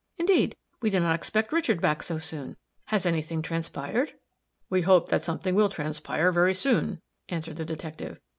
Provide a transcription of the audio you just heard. Indeed, we did not expect Richard back so soon. Has any thing transpired?" "We hope that something will transpire, very soon," answered the detective.